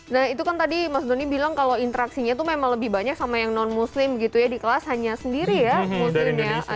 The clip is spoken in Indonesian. nah itu kan tadi mas doni bilang kalau interaksinya itu memang lebih banyak sama yang non muslim gitu ya di kelas hanya sendiri ya muslim ya